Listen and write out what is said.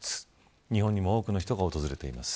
日本にも多くの人が訪れています。